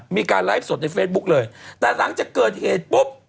มีการไลฟ์สดในเฟซบุ๊กเลยแต่หลังจากเกิดเหตุปุ๊บ